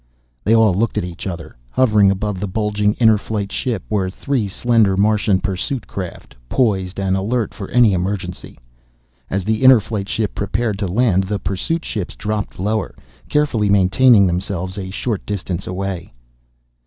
They all looked at each other. Hovering above the bulging Inner Flight ship were three slender Martian pursuit craft, poised and alert for any emergency. As the Inner Flight ship prepared to land the pursuit ships dropped lower, carefully maintaining themselves a short distance away.